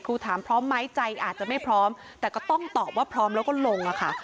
ถามพร้อมไหมใจอาจจะไม่พร้อมแต่ก็ต้องตอบว่าพร้อมแล้วก็ลงอะค่ะ